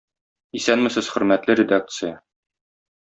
Исәнмесез, хөрмәтле редакция!